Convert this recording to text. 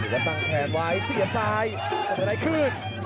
จะตั้งแผนไว้เสียบซ้ายสเมอร์ไนท์คลื่น